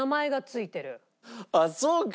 あっそうか。